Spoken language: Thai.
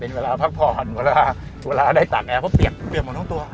เป็นเวลาพักผ่อนเวลาเวลาได้ตากแอร์เพราะเปียกหมดทั้งตัว